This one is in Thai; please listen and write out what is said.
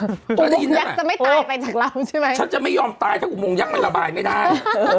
ยักษ์จะไม่ตายไปจากเราใช่ไหมฉันจะไม่ยอมตายถ้าอุโมงยักษ์มันระบายไม่ได้